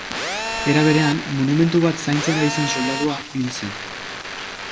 Era berean, monumentu bat zaintzen ari zen soldadua hil zen.